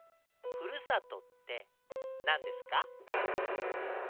ふるさとってなんですか？